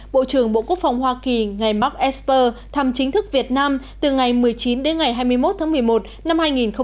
bộ trưởng bộ quốc phòng hoa kỳ ngài mark esper thăm chính thức việt nam từ ngày một mươi chín đến ngày hai mươi một tháng một mươi một năm hai nghìn một mươi chín